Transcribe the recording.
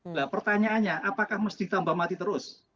nah pertanyaannya apakah mesti ditambah mati terus